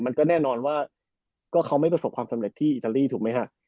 มันก็แน่นอนว่าก็เขาไม่ประสบความสำเร็จที่อิตาลีถูกไหมฮะ